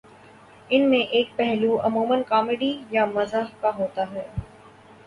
ان میں ایک پہلو عمومًا کامیڈی یا مزاح کا ہوتا ہے